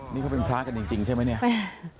นี่เขาเป็นพระกันจริงใช่ไหมเนี่ย